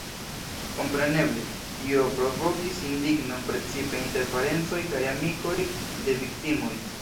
Kompreneble, tio provokis indignon precipe inter parencoj kaj amikoj de viktimoj.